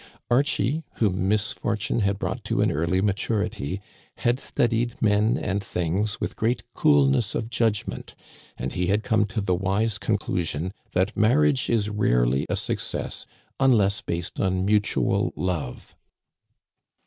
Archie, whom misfortune had brought to an early maturity, had studied men and things with great coolness of judg ment ; and he had come to the wise conclusion that marriage is rarely a success unless based on mutual love.